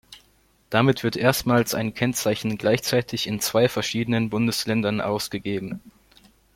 Damit wird erstmals ein Kennzeichen gleichzeitig in zwei verschiedenen Bundesländern ausgegeben.